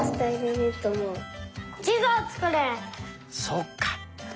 そっか。